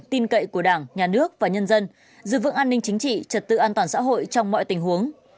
tin cậy của đảng nhà nước và nhân dân giữ vững an ninh chính trị trật tự an toàn xã hội trong mọi tình huống